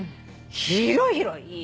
広い広い。